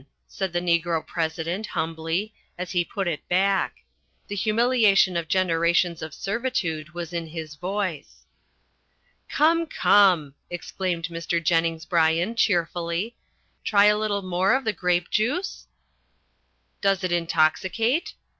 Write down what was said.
said the Negro President humbly, as he put it back. The humiliation of generations of servitude was in his voice. "Come, come," exclaimed Mr. Jennings Bryan cheerfully, "try a little more of the grape juice?" "Does it intoxicate?"